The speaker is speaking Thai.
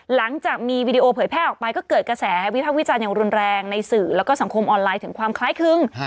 หลังจากมีวีดีโอเผยแพร่ออกไปก็เกิดกระแสวิภาควิจารณ์อย่างรุนแรงในสื่อแล้วก็สังคมออนไลน์ถึงความคล้ายคลึง